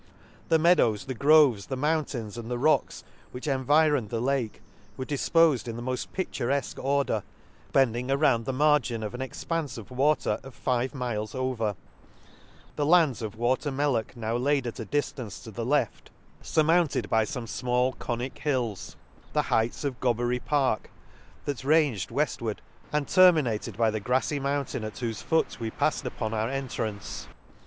— The meadows, the groves, the moun tains, and the rocks, which environed the Lake, were difpofed in the moil picturefque order, bending around the margin of an expanfe of water of five miles over j — the lands of Water Mel lock now layed at a diftance to the left, fur the Lakes, 7 5 furmounted by fome fmall conic hills, the heights of Gobery Park, that ranged weflward, and terminated by the gralTy mountain at whofe foot we pafTed upon our entrance.